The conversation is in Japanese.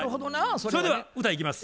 それでは歌いきます。